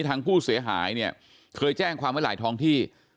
ทางผู้เสียหายเนี่ยเคยแจ้งความไว้หลายท้องที่